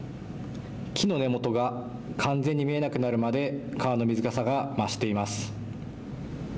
木の根元が完全に見えなくなるまで川の水かさが増しています。